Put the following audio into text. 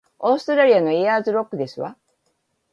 オーストラリアのエアーズロックですわ